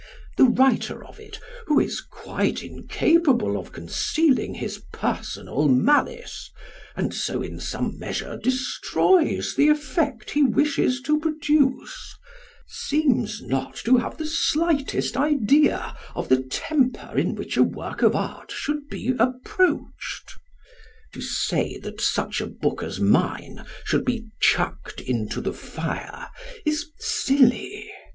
The writer of it, who is quite incapable of concealing his personal malice, and so in some measure destroys the effect he wishes to produce, seems not to have the slightest idea of the temper in which a work of art should be approached. To say that such a book as mine should be "chucked into the fire" is silly.